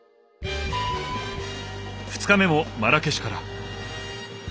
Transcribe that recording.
２日目もマラケシュから。